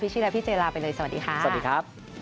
พี่ชิและพี่เจลาไปเลยสวัสดีค่ะ